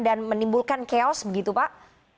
dan menimbulkan chaos begitu pak